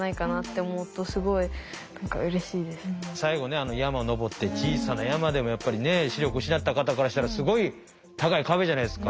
あの山登って小さな山でもやっぱりね視力失った方からしたらすごい高い壁じゃないですか。